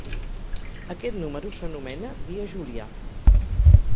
Aquest número s'anomena dia julià.